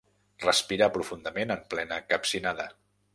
Respirar profundament en plena capcinada.